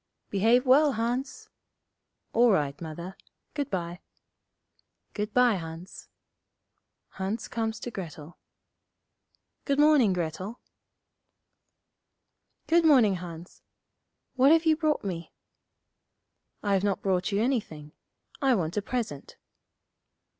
'Behave well, Hans!' 'All right, Mother. Good bye.' 'Good bye, Hans.' Hans comes to Grettel. 'Good morning, Grettel.' 'Good morning, Hans. What have you brought me?' 'I've not brought you anything. I want a present.'